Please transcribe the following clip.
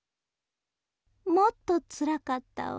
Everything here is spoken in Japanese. もっとつらかったわ。